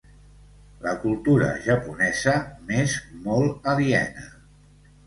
La cultura japonesa m'és molt aliena.